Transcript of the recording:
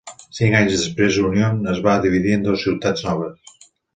Cinc anys després Union es va dividir en dos ciutats noves.